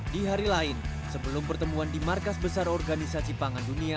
di hari lain sebelum pertemuan di markas besar organisasi pangan dunia